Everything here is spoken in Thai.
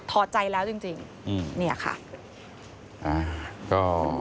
ถอดใจแล้วจริงนี่ค่ะ